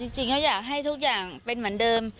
จริงก็อยากให้ทุกอย่างเป็นเหมือนเดิม